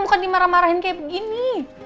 bukan dimarah marahin kayak begini